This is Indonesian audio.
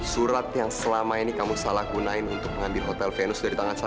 surat yang selama ini kamu salah gunain untuk mengambil hotel venus dari tangan saya